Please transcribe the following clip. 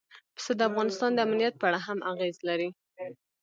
پسه د افغانستان د امنیت په اړه هم اغېز لري.